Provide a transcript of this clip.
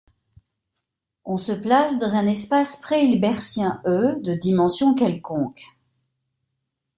On se place dans un espace préhilbertien E, de dimension quelconque.